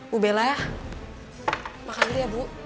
bu bella ya makan dulu ya bu